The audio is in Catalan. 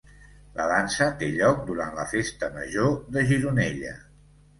La dansa té lloc durant la Festa Major de Gironella.